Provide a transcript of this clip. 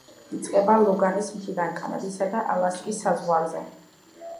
იწყება ლოგანის მთიდან, კანადისა და ალასკის საზღვარზე.